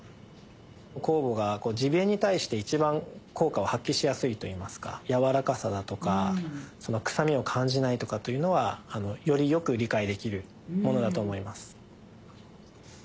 酵母がジビエに対して一番効果を発揮しやすいといいますかやわらかさだとか臭みを感じないというのはよりよく理解できるものだと思います。